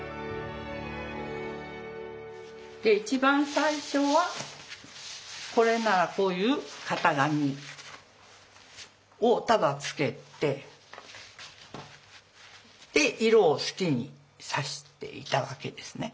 一番最初はこれならこういう型紙をただつけて色を好きに挿していたわけですね。